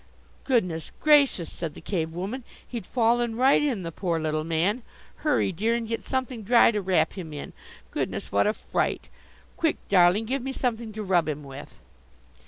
"Goodness gracious!" said the Cave woman. "He'd fallen right in, the poor little man. Hurry, dear, and get something dry to wrap him in! Goodness, what a fright! Quick, darling, give me something to rub him with."